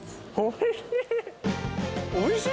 おいしい。